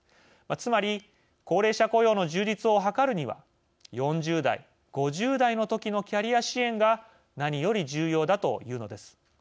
つまり高齢者雇用の充実を図るには４０代・５０代の時のキャリア支援が何より重要だというのです。